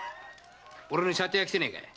俺の舎弟は来てねえか？